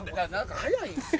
早いんすよ。